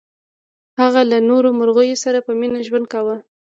هغه له نورو مرغیو سره په مینه ژوند کاوه.